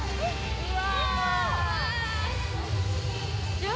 うわ！